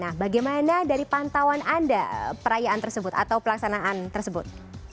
nah bagaimana dari pantauan anda perayaan tersebut atau pelaksanaan tersebut